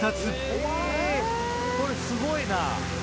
えこれすごいな。